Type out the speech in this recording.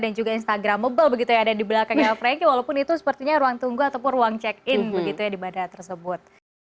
juga instagramable begitu yang ada di belakangnya franky walaupun itu sepertinya ruang tunggu ataupun ruang check in begitu ya di bandara tersebut